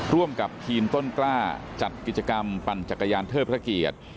ร่วมกับทีมต้นกล้าจัดกิจกรรมปั่นจักรยานเทิดพระเกียรติ